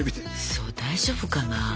うそ大丈夫かな。